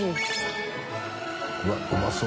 うわうまそう。